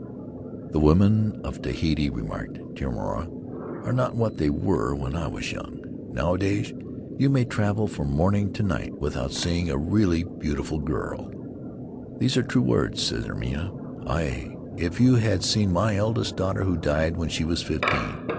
"The women of Tahiti," remarked Tinomana, "are not what they were when I was young; nowadays you may travel from morning till night without seeing a really beautiful girl," "Those are true words," said Airima; "A ue, if you had seen my eldest daughter, who died when she was fifteen!